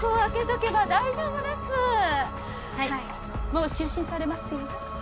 もう就寝されますよね？